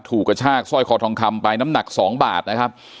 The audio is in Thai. กระชากสร้อยคอทองคำไปน้ำหนัก๒บาทนะครับ